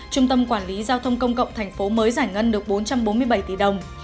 trung tâm quản lý giao thông công cộng thành phố mới giải ngân được bốn trăm bốn mươi bảy tỷ đồng